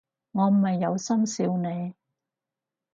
我唔係有心笑你